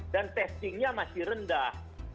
dan testingnya masih rendah